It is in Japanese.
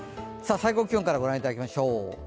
最高気温からご覧いただきましょう。